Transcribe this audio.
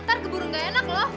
ntar keburu gak enak loh